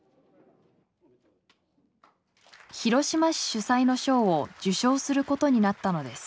広島市主催の賞を受賞することになったのです。